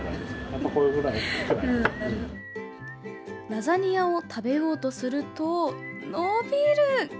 ラザニアを食べようとすると伸びる！